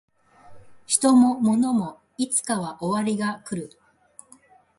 人も物もいつかは終わりが来る